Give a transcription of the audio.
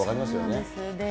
そうですね。